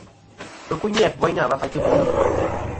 Ɨkuyn ni-a boyna va faytɨ buni.